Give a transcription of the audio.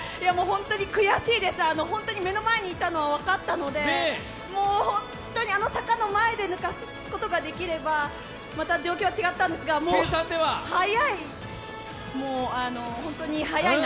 本当に悔しいです、本当に目の前にいたのは分かったのでもう本当に、あの坂の前で抜かすことができればまた状況は違ったんですが、速い！